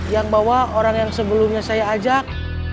yang bawa orang yang sebelumnya saya ajak